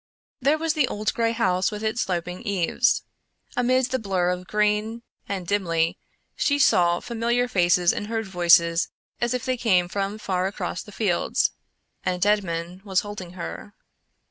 There was the old gray house with its sloping eaves. Amid the blur of green, and dimly, she saw familiar faces and heard voices as if they came from far across the fields, and Edmond was holding her.